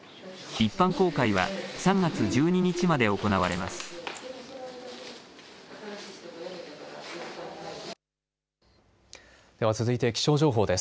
一般公開は３月１２日まで行われます。